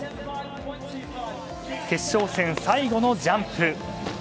決勝戦最後のジャンプ。